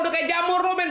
udah kayak jamur lu ben